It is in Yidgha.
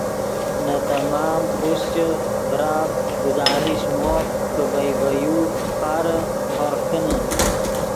نے تمام خوشچے ڤرآف گزارش مو کہ ڤئے ڤے یو فارے ہورغ کینے